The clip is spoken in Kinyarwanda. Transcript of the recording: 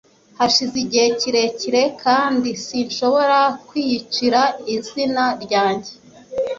hashize igihe kirekire kandi sinshobora kwiyicira izina ryanjye